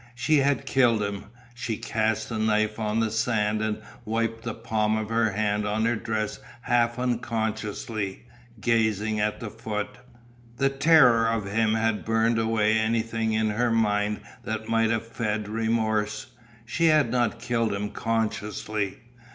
She had killed him. She cast the knife on the sand and wiped the palm of her hand on her dress half unconsciously, gazing at the foot. The terror of him had burned away anything in her mind that might have fed remorse. She had not killed him consciously.